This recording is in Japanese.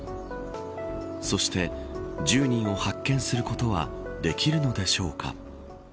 そして、１０人を発見することはできるのでしょうか。